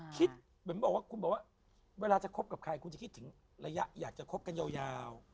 คุณบอกว่าเวลาจะคบกับใครคุณจะคิดถึงระยะอยากจะคบกันยาว